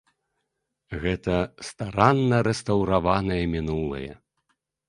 Гэта старанна рэстаўраванае мінулае.